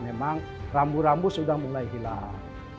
memang rambu rambu sudah mulai hilang